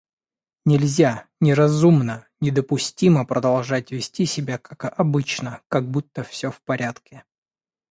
Нельзя, неразумно недопустимо продолжать вести себя как обычно, как будто все в порядке.